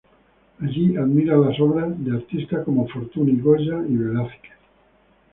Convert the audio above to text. Allí admira las obras de artistas como Fortuny, Goya y Velázquez.